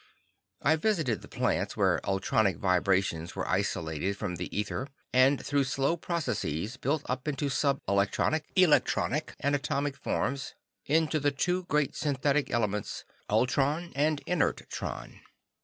I visited the plants where ultronic vibrations were isolated from the ether and through slow processes built up into sub electronic, electronic and atomic forms into the two great synthetic elements, ultron and inertron.